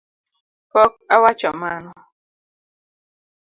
Pok awacho mano